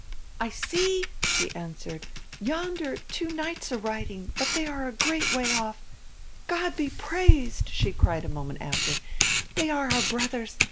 _' 'I see,' she answered, 'yonder two Knights a riding, but they are yet a great way off.... God be praised,' she cried a moment after, 'they are our brothers!